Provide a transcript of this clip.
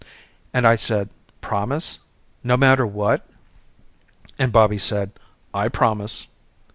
And I said promise? No matter what? And Bobby said I promise.